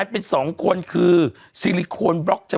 เบลล่าเบลล่าเบลล่า